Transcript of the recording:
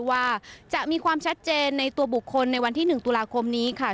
ว่าจะมีความชัดเจนในตัวบุคคลในวันที่๑ตุลาคมนี้ค่ะ